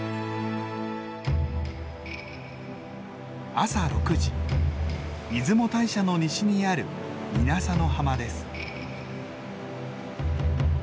朝６時出雲大社の西にある稲佐の浜です。